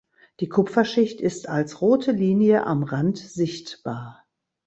Die Kupferschicht ist als rote Linie am Rand sichtbar.